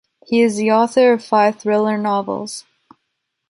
He is the author of five thriller novels.